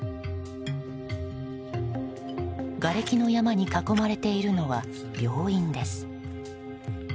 がれきの山に囲まれているのは病院です。